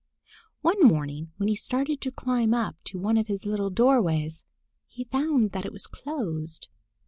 One morning, when he started to climb up to one of his little doorways, he found that it was closed.